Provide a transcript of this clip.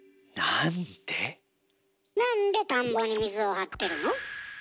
なんで田んぼに水を張ってるの？